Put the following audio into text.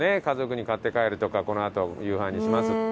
家族に買って帰るとかこのあと夕飯にします。